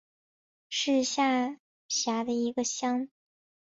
是下辖的一个乡。